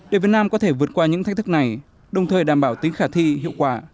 để việt nam có thể vượt qua những thách thức này đồng thời đảm bảo tính khả thi hiệu quả